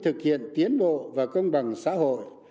thực hiện tiến bộ và công bằng xã hội